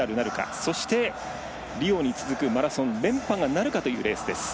そして、リオに続くマラソン連覇なるかというレースです。